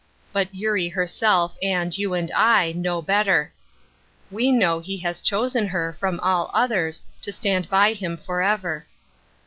But Eurie her self, and you and I, know better. We know be has chosen her, from all others, to stand by him forever.